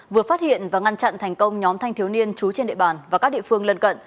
vừa phát hiện và ngăn chặn thành công nhóm thanh thiếu niên trú trên địa bàn và các địa phương lân cận